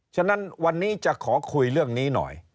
ฉะนั้นวันนี้จะขอคุยเรื่องนี้หน่อย